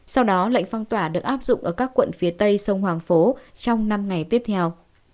sau đó lệnh phong tỏa được áp dụng ở các quận phía tây sông hoàng phố trong năm ngày tiếp theo